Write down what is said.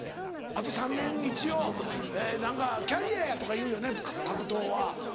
あと３年一応何かキャリアやとか言うよね格闘は。